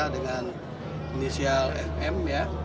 dengan inisial fm